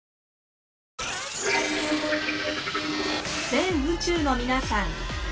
全宇宙の皆さん